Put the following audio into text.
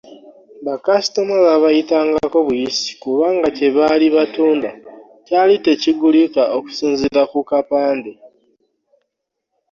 Bakasitoma baabayitangako buyisi kubanga kye baali batunda kyali tekigulika okusinziira ku kapande.